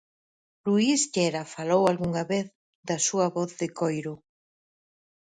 Luis Llera falou algunha vez da súa voz de coiro.